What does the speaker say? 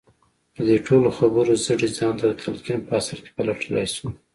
د دې ټولو خبرو زړی ځان ته د تلقين په اصل کې پلټلای شو.